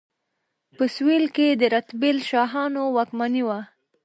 په سویل کې د رتبیل شاهانو واکمني وه.